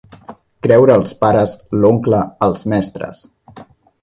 Creure els pares, l'oncle, els mestres.